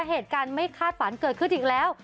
เหตุการณ์ไม่คาดฝันเกิดขึ้นอีกแล้ว